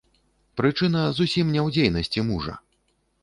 Прычына зусім не ў дзейнасці мужа.